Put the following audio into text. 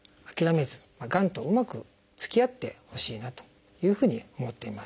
がんとうまくつきあってほしいなというふうに思っています。